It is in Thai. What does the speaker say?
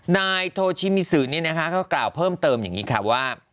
นายโทชิมิสือนี่นะคะก็กล่าวเพิ่มเติมอย่างนี้ค่ะว่า